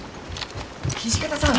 土方さん！